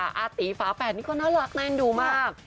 อาตีฟาแห็กนี่ก็น่ารักแน่นดูมาก